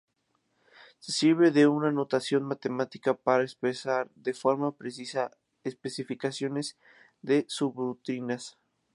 Se sirve de una notación matemática, para expresar de forma precisa especificaciones de subrutinas.